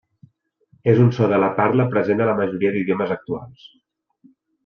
És un so de la parla present a la majoria d'idiomes actuals.